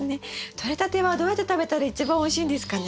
とれたてはどうやって食べたら一番おいしいんですかね？